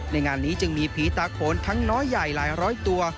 ในงานนี้จึงมีผีตาโขนทั้งน้อยใหญ่หลายร้อยตัว